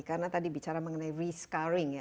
karena tadi bicara mengenai rescoring ya